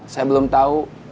saya belum tau